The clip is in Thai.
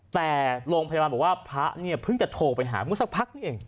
แต่โรงพยาบาลบอกว่าพระเนี่ยเพิ่งจะโทรไปหาเมื่อสักพักนี่เอง